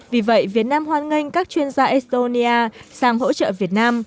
vì vậy việt nam hoan nghênh các chuyên gia estonia sang hỗ trợ việt nam